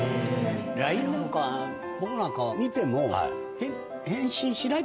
ＬＩＮＥなんか僕なんかは見ても。